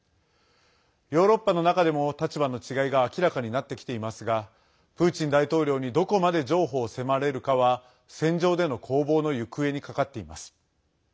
ヨーロッパの中でも立場の違いが明らかになってきていますがプーチン大統領にどこまで譲歩を迫れるかは戦場での攻防の行方にかかっています。